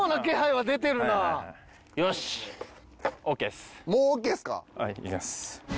はいいきます。